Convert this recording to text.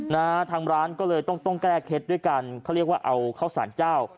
นะฮะทางร้านก็เลยต้องต้องแก้เคล็ดด้วยกันเขาเรียกว่าเอาข้าวสารเจ้า